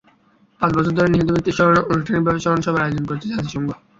পাঁচ বছর ধরে নিহত ব্যক্তিদের স্মরণে আনুষ্ঠিকভাবে স্মরণসভার আয়োজন করছে জাতিসংঘ।